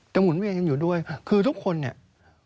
จำนวนเปลี่ยนอยู่ด้วยคือทุกคนเนี่ย